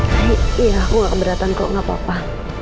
hai iya aku gak keberatan kok gak apa apa